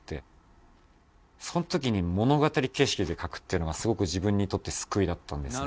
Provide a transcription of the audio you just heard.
その時に物語形式で書くっていうのがすごく自分にとって救いだったんですね。